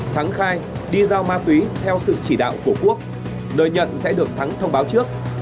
thắng khai đi giao ma túy theo sự chỉ đạo của quốc nơi nhận sẽ được thắng thông báo trước